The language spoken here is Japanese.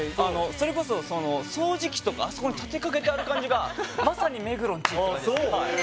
それこそその掃除機とかあそこに立てかけてある感じがまさに目黒んちって感じですあそう？